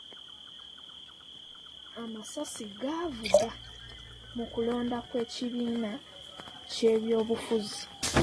Amasasi gaavuga mu kulonda kw'ekibiina ky'ebyobufuzi.